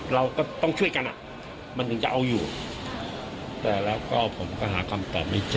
เราก็ต้องช่วยกันอ่ะมันถึงจะเอาอยู่แต่แล้วก็ผมก็หาคำตอบไม่เจอ